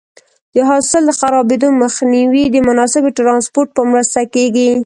د حاصل د خرابېدو مخنیوی د مناسبې ټرانسپورټ په مرسته کېږي.